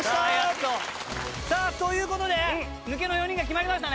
さあという事で抜けの４人が決まりましたね。